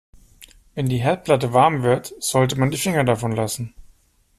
Wenn die Herdplatte warm wird, sollte man die Finger davon lassen.